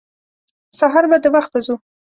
سهار به د وخته ځو.